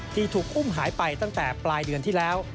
ที่ถูกอุ้มหายไปตั้งแต่ปลายเดือนที่แล้ว